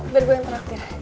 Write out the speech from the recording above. biar gue yang terakhir